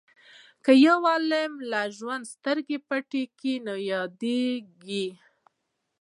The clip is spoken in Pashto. که یو عالم له ژوند سترګې پټې کړي یادیږي.